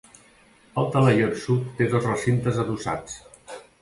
El talaiot sud té dos recintes adossats.